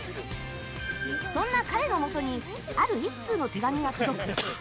そんな彼のもとにある１通の手紙が届く。